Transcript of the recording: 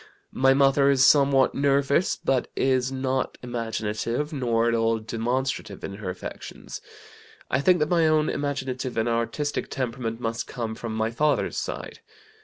My mother is somewhat nervous, but is not imaginative, nor at all demonstrative in her affections. I think that my own imaginative and artistic temperament must come from my father's side.